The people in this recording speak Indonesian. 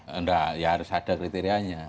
tidak ya harus ada kriterianya